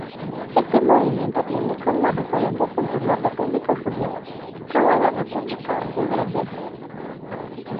Este movimiento tiene como referentes tanto la República Juliana como la República Riograndense.